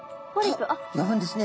と呼ぶんですね。